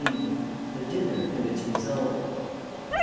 THE DINNER AND ITS RESULT.